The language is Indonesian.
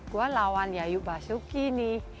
gue lawan yayu basuki nih